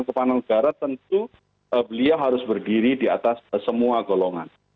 tentu beliau harus berdiri di atas semua golongan